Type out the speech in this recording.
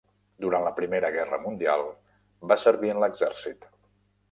Durant la primera guerra mundial, va servir en l'exèrcit.